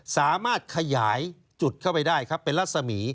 สามารถขยายจุดเข้าไปได้ครับเป็นรัศมี